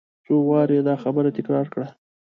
څو وارې یې دا خبره تکرار کړه.